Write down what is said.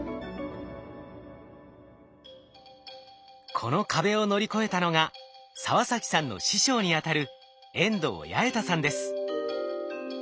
この壁を乗り越えたのが澤崎さんの師匠にあたる遠藤弥重太さんです。